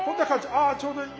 ああちょうどいい。